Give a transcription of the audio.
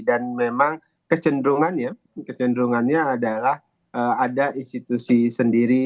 dan memang kecenderungannya adalah ada institusi sendiri